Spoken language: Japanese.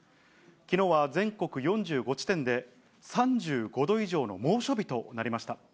きのうは全国４５地点で、３５度以上の猛暑日となりました。